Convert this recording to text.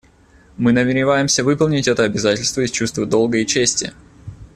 Мы намереваемся выполнить это обязательство из чувства долга и чести.